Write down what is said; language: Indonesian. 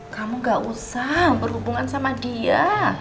kamu gak usah berhubungan sama dia